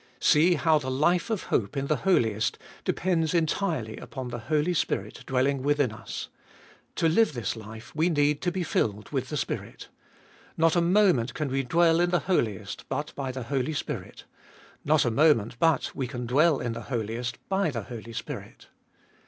See how the life of hope in the Holiest depends entirely upon the Holy Spirit dwelling within us. To live this life, we need to be filled with the Spirit. Not a moment can we dwell in the Holiest, but by the Holy Spirit. Not a moment but we can dwell in the Holiest, by the Holy Spirit.